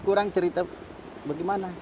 kurang cerita bagaimana